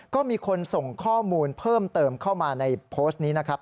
ก็มีคนส่งข้อมูลเพิ่มเติมเข้ามาในโพสต์นี้นะครับ